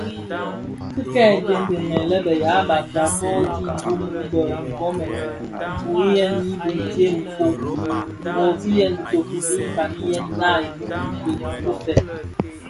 Ki kè dhëndèn lè be ya mbam ko dhi mbiň wu bë nkoomen nfuyen yi bi ndyem ufog, nwogsiyèn bitoki bi fañiyèn naa i bum ifogtèn.